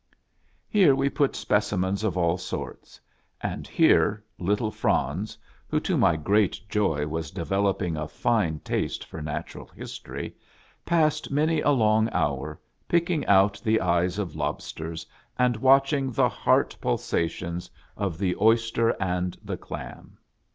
Here we put specimens of all sorts, and here little Franz, who to my great joy was developing a fine taste for Natural History, passed many a long hour, picking out the eyes of lobsters, and watching the heart pul sations of the oyster and the clam.